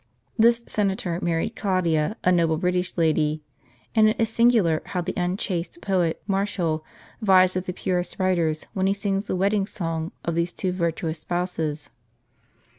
This senator married Claudia, a noble British lady ; and it is singular how the unchaste poet Martial vies with the purest writers when he sings the wedding song of these two virtuous spouses.